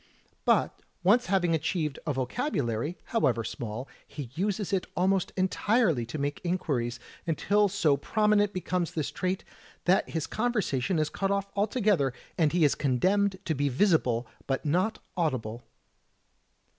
But, once having achieved a vocabulary, however small, he uses it almost entirely to make inquiries, until so prominent becomes this trait, that his conversation is cut off altogether, and he is condemned to be visible but not audible.